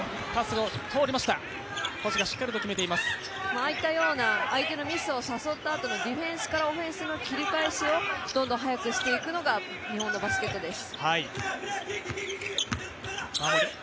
ああいったような相手のミスを誘ってからのディフェンスからオフェンスの切り返しをどんどん速くしていくのが日本のバスケットです。